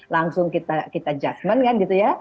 langsung kita adjustment kan gitu ya